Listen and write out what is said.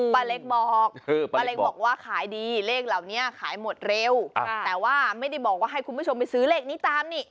ป้าเล็กบอกป้าเล็กบอกว่าขายดีเลขเหล่านี้ขายหมดเร็วแต่ว่าไม่ได้บอกว่าให้คุณผู้ชมไปซื้อเลขนี้ตามนี่